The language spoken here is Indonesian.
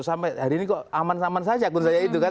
sampai hari ini kok aman aman saja akun saya itu kan